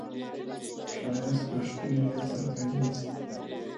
ښایست له ښکلي نیت سره پیلېږي